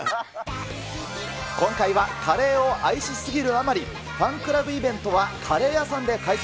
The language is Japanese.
今回はカレーを愛しすぎるあまり、ファンクラブイベントはカレー屋さんで開催。